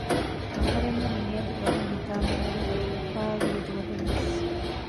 އަހަރެންނަށް މިއަދު ވަރަށް ހިތާމަވެރި އަދި އުފާވެރި ދުވަހެއް ވެސް